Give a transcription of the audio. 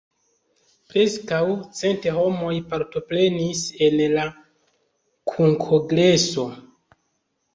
Preskaŭ cent homoj partoprenis en la kunkongreso.